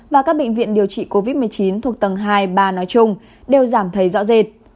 và các bệnh viện điều trị covid một mươi chín thuộc tầng hai ba nói chung đều giảm thấy rõ rệt